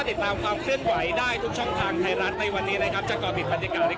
สำหรับคุณผู้ชมที่ยังไม่มีบัตรเข้าชมนะครับ